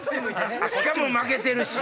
しかも負けてるし！